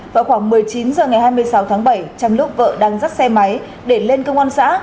vào khoảng một mươi chín h ngày hai mươi sáu tháng bảy trong lúc vợ đang dắt xe máy để lên công an xã